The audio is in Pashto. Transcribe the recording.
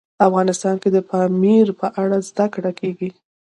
افغانستان کې د پامیر په اړه زده کړه کېږي.